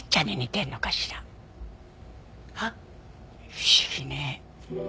不思議ね。